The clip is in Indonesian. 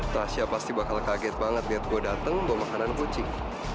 tasya pasti bakal kaget banget liat gua dateng bawa makanan kucing